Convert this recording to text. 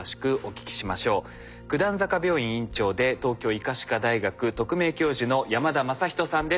九段坂病院院長で東京医科歯科大学特命教授の山田正仁さんです。